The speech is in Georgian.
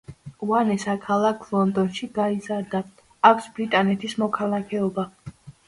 ვანესა ქალაქ ლონდონში გაიზარდა, აქვს ბრიტანეთის მოქალაქეობა.